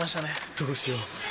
どうしよう。